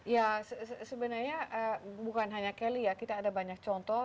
ya sebenarnya bukan hanya kelly ya kita ada banyak contoh